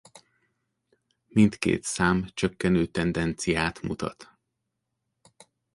Mindkét szám csökkenő tendenciát mutat.